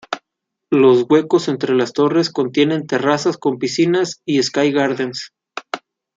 Los huecos entre las torres contienen terrazas con piscinas y "sky gardens".